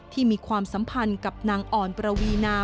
มีความสัมพันธ์กับนางอ่อนประวีนา